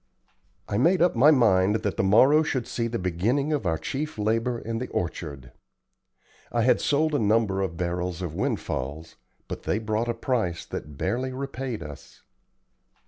I made up my mind that the morrow should see the beginning of our chief labor in the orchard. I had sold a number of barrels of windfalls, but they brought a price that barely repaid us.